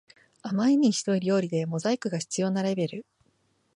あまりにひどい料理でモザイクが必要なレベル